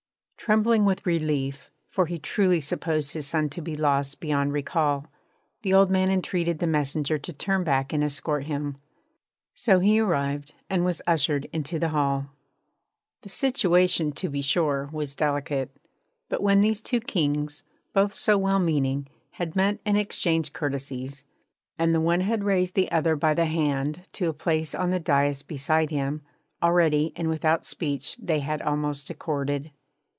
Trembling with relief for he truly supposed his son to be lost beyond recall the old man entreated the messenger to turn back and escort him. So he arrived, and was ushered into the hall. The situation, to be sure, was delicate. But when these two kings, both so well meaning, had met and exchanged courtesies, and the one had raised the other by the hand to a place on the daïs beside him, already and without speech they had almost accorded.